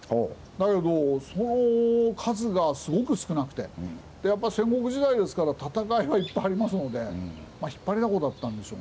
だけどその数がすごく少なくてでやっぱり戦国時代ですから戦いはいっぱいありますので引っ張りだこだったんでしょうね。